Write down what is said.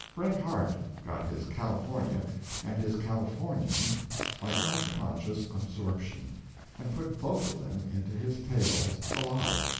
Bret Harte got his California and his Californians by unconscious absorption, and put both of them into his tales alive.